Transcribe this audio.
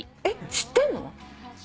えっ知ってんの？